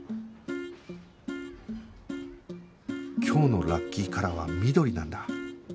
今日のラッキーカラーは緑なんだ